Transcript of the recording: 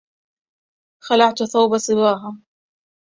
خلعت ثوب صباها